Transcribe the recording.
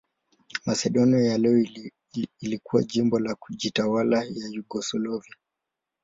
Masedonia ya leo ilikuwa jimbo la kujitawala la Yugoslavia.